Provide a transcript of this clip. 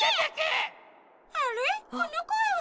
あれこのこえは。